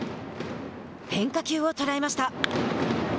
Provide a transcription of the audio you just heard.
変化球を捉えました。